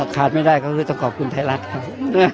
ขาดไม่ได้ก็คือต้องขอบคุณไทยรัฐครับ